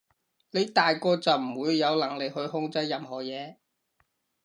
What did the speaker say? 你大個就唔會有能力去控制任何嘢